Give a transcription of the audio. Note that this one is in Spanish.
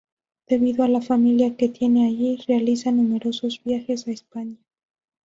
Debido a la familia que tiene allí, realiza numerosos viajes a España.